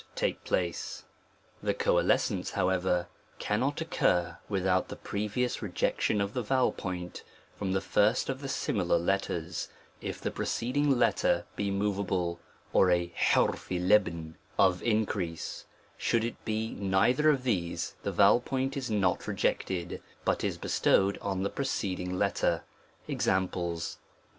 44 A TREATISE ON THE place; the coalescence however, cannot occifv without tire previous rejection of the vowel point from the first of the similar letters, if the o o ^ preceding letter be moveable, or a ^JeJ^ o increase ; should it be neither of these the vowel point is not rejected, but is bestowed on the pre "* ceding letter. Examples.